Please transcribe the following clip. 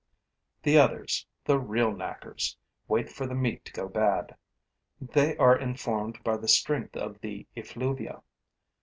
The others, the real knackers, wait for the meat to go bad; they are informed by the strength of the effluvia.